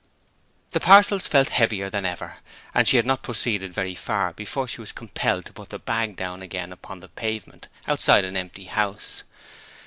The parcels felt heavier than ever, and she had not proceeded very far before she was compelled to put the bag down again upon the pavement, outside an empty house.